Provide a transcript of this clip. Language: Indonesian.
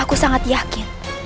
aku sangat yakin